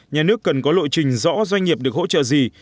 nhà nước cần có lộ trình rõ doanh nghiệp được hỗ trợ gì